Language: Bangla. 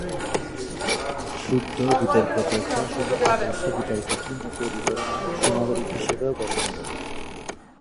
শুদ্ধ বিতর্কচর্চা শুধু আদর্শ বিতার্কিকই তৈরি করে না, সুনাগরিক হিসেবেও গড়ে তোলে।